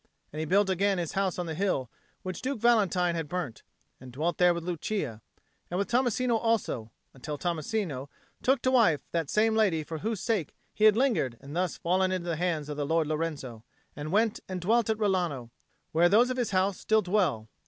And he built again his house on the hill which Duke Valentine had burnt, and dwelt there with Lucia, and with Tommasino also, until Tommasino took to wife that same lady for whose sake he had lingered and thus fallen into the hands of the lord Lorenzo, and went and dwelt at Rilano, where those of his house still dwell.